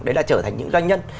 đấy là trở thành những doanh nhân